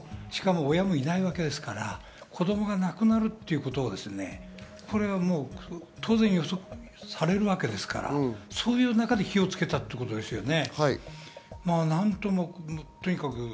親もいないわけですから、子供が亡くなるっていうことを当然、予測されるわけですから、そういう中で火をつけたってことですよね。